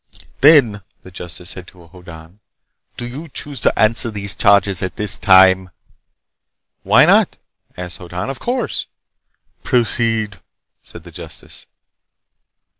"Then," said the justice to Hoddan, "do you choose to answer these charges at this time?" "Why not?" asked Hoddan. "Of course!" "Proceed," said the justice.